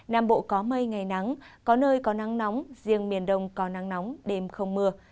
nam bộ có mây ngày nắng có nơi có nắng nóng riêng miền đông có nắng nóng đêm không mưa